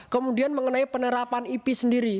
kemudian mengenai penerapan ip sendiri